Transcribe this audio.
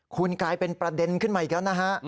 คุณกลายเป็นประเด็นขึ้นมาอีกแล้วนะฮะ